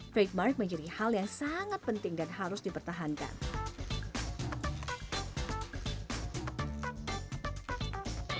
fake mark menjadi hal yang sangat penting dan harus dipertahankan